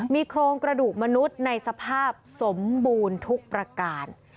มีโครงกระดูกมนุษย์ในสภาพสมบูรณ์ทุกประการ